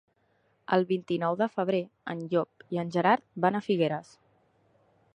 El vint-i-nou de febrer en Llop i en Gerard van a Figueres.